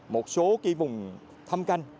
một số vùng thâm canh